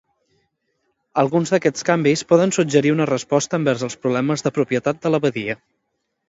Alguns d'aquests canvis poden suggerir una resposta envers els problemes de propietat de l'abadia.